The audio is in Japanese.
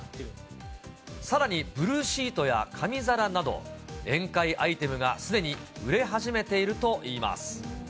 さらにブルーシートや紙皿など、宴会アイテムがすでに売れ始めているといいます。